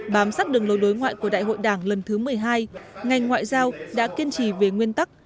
bám sát đường lối đối ngoại của đại hội đảng lần thứ một mươi hai ngành ngoại giao đã kiên trì về nguyên tắc